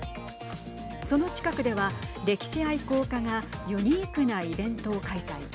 その近くでは歴史愛好家がユニークなイベントを開催。